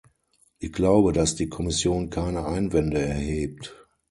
Ich glaube, dass die Kommission keine Einwände erhebt.